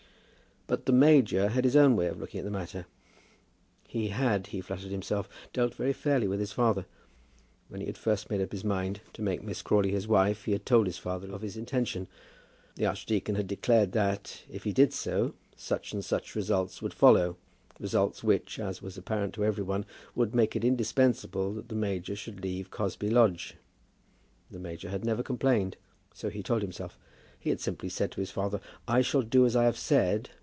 But the major had his own way of looking at the matter. He had, he flattered himself, dealt very fairly with his father. When he had first made up his mind to make Miss Crawley his wife, he had told his father of his intention. The archdeacon had declared that, if he did so, such and such results would follow, results which, as was apparent to every one, would make it indispensable that the major should leave Cosby Lodge. The major had never complained. So he told himself. He had simply said to his father, "I shall do as I have said.